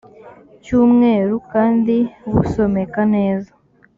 cy umweru kandi busomeka neza